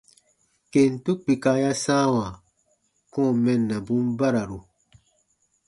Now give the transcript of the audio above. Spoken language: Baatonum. Kentu kpika ya sãawa kɔ̃ɔ mɛnnabun bararu.